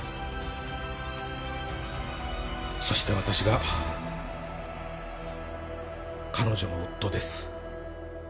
そして私が彼女の夫です。